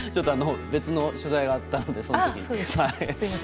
別の取材があったのでその時に。